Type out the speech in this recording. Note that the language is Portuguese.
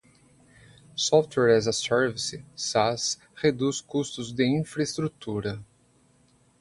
Software as a Service (SaaS) reduz custos de infraestrutura.